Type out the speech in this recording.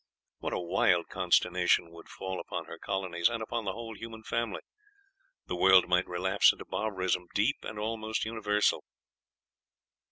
What a wild consternation would fall upon her colonies and upon the whole human family! The world might relapse into barbarism, deep and almost universal.